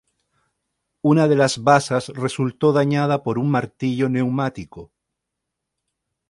Una de las basas resultó dañada por un martillo neumático.